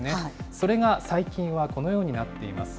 それが最近はこのようになっています。